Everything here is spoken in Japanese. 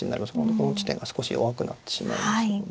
この地点が少し弱くなってしまいますので。